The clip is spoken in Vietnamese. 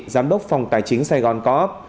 giám đốc phòng tài chính sài gòn co op